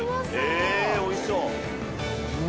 ええおいしそう。